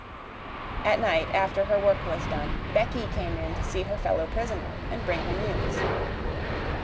At night, after her work was done, Becky came in to see her fellow prisoner and bring her news.